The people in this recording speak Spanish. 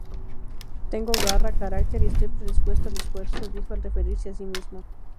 Tengo garra, carácter, y estoy predispuesto al esfuerzo", dijo al referirse a sí mismo.